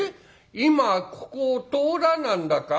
「今ここを通らなんだか？」。